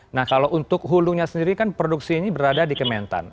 nah kalau untuk hulunya sendiri kan produksi ini berada di kementan